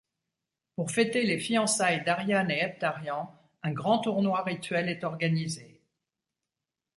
Pour fêter les fiançailles d'Ariane et Heptarian, un grand tournoi rituel est organisé.